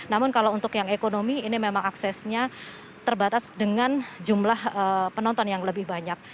namun kalau untuk yang ekonomi ini memang aksesnya terbatas dengan jumlah penonton yang lebih banyak